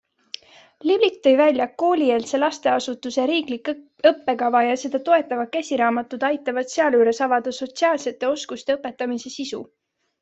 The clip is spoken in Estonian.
Liblik tõi välja, et koolieelse lasteasutuse riiklik õppekava ja seda toetavad käsiraamatud aitavad sealjuures avada sotsiaalsete oskuste õpetamise sisu.